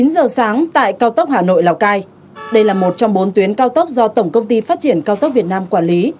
chín giờ sáng tại cao tốc hà nội lào cai đây là một trong bốn tuyến cao tốc do tổng công ty phát triển cao tốc việt nam quản lý